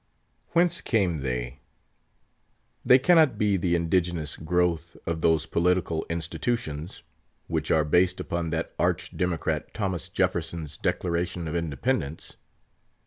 Whence came they? They cannot be the indigenous growth of those political institutions, which are based upon that arch democrat Thomas Jefferson's Declaration of Independence?